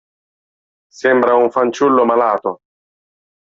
Sembra un fanciullo malato.